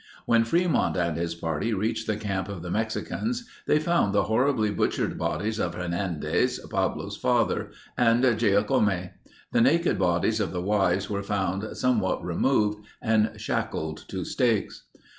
When Fremont and his party reached the camp of the Mexicans they found the horribly butchered bodies of Hernandez, Pablo's father, and Giacome. The naked bodies of the wives were found somewhat removed and shackled to stakes.